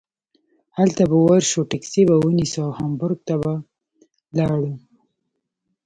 هلته به ور شو ټکسي به ونیسو او هامبورګ ته به لاړو.